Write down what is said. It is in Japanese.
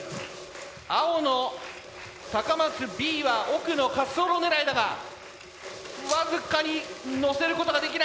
青の高松Ｂは奥の滑走路狙いだが僅かに乗せることができない。